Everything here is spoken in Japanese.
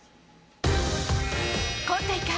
今大会